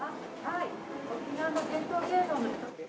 沖縄の伝統芸能の一つです。